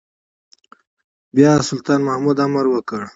بيا سلطان محمود امر وکړ.